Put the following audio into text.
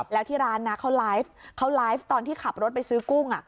แล้วที่ร้านนะเขาไลฟ์เขาไลฟ์ตอนที่ขับรถไปซื้อกุ้ง